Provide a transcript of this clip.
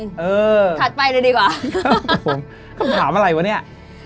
เออถัดไปเลยดีกว่าผมคำถามอะไรวะเนี่ย